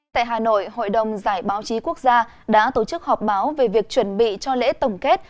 tại hà nội hội đồng giải báo chí quốc gia đã tổ chức họp báo về việc chuẩn bị cho lễ tổng kết